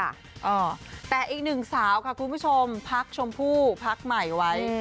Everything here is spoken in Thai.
อ่าแต่อีกหนึ่งสาวค่ะคุณผู้ชมพักชมพู่พักใหม่ไว้